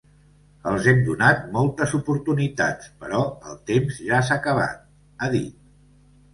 Els hem donat moltes oportunitats, però el temps ja s’ha acabat, ha dit.